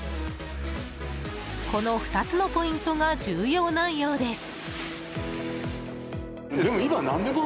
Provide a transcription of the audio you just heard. この２つのポイントが重要なようです。